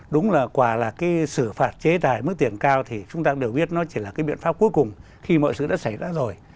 đúng là quả là cái xử phạt chế tài mức tiền cao thì chúng ta cũng đều biết nó chỉ là cái biện pháp cuối cùng khi mọi sự đã xảy ra rồi